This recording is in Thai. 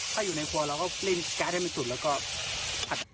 ถ้าอยู่ในครัวเราก็เล่นการ์ดให้มันสุดแล้วก็ผัด